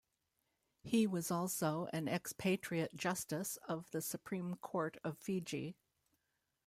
He was also an expatriate justice of the Supreme Court of Fiji.